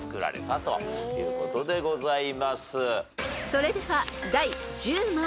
［それでは第１０問］